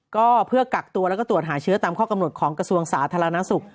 ก็เพื่อกักตัวแล้วก็ตรวจหาเชื้อตามข้อกำหนดของกระทรวงสาธารณสุข